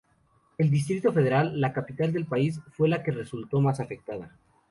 El Distrito Federal, la capital del país, fue la que resultó más afectada.